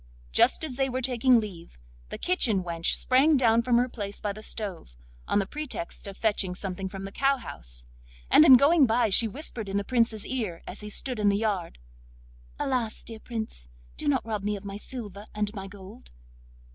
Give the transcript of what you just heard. Just as they were taking leave, the kitchen wench sprang down from her place by the stove, on the pretext of fetching something from the cowhouse, and in going by she whispered in the Prince's ear as he stood in the yard: 'Alas! dear Prince, do not rob me of my silver and my gold.